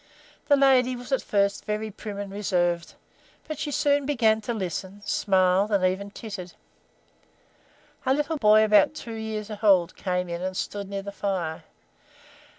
The lady was at first very prim and reserved; but she soon began to listen, smiled, and even tittered. A little boy about two years old came in and stood near the fire.